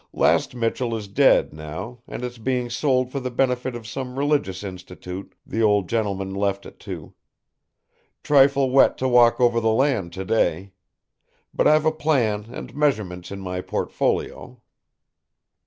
Last Michell is dead, now, and it's being sold for the benefit of some religious institute the old gentleman left it to. Trifle wet to walk over the land today! But I've a plan and measurements in my portfolio."